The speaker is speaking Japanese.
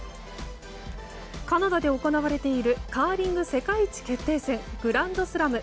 カナダで行われているカーリング世界一決定戦グランドスラム。